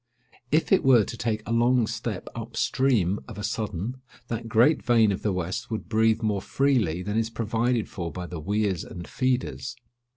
If it were to take a long step up stream of a sudden, that great vein of the west would breathe more freely than is provided for by the "weirs and feeders."